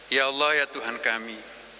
ya allah ya tuhan kami